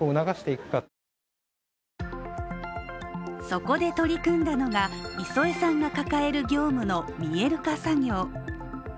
そこで取り組んだのが、磯江さんが抱える業務の見える化作業。